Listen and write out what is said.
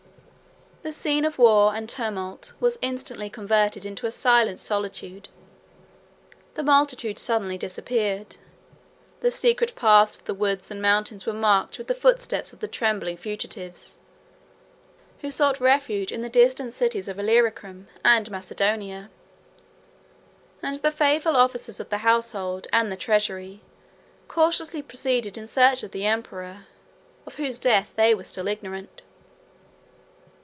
The scene of war and tumult was instantly converted into a silent solitude: the multitude suddenly disappeared; the secret paths of the woods and mountains were marked with the footsteps of the trembling fugitives, who sought a refuge in the distant cities of Illyricum and Macedonia; and the faithful officers of the household, and the treasury, cautiously proceeded in search of the emperor, of whose death they were still ignorant.